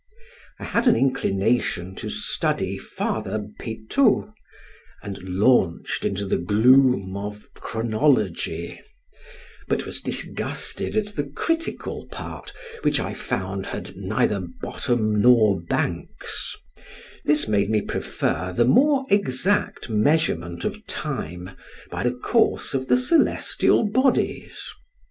I had an inclination to study Father Petau, and launched into the gloom of chronology, but was disgusted at the critical part, which I found had neither bottom nor banks; this made me prefer the more exact measurement of time by the course of the celestial bodies.